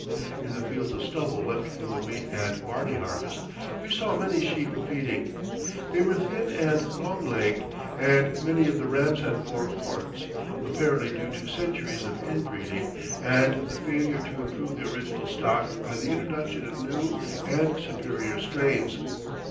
In the fields of stubble left from the wheat and barley harvest we saw many sheep feeding. They were thin and long legged and many of the rams had four horns, apparently due to centuries of inbreeding and the failure to improve the original stock by the introduction of new and superior strains.